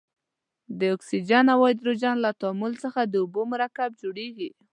د اکسیجن او هایدروجن له تعامل څخه د اوبو مرکب جوړیږي.